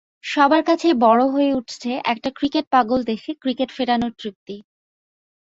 সবার কাছেই বড় হয়ে উঠছে একটা ক্রিকেট পাগল দেশে ক্রিকেট ফেরানোর তৃপ্তি।